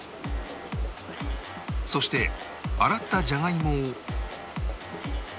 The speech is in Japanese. そして洗ったじゃがいもを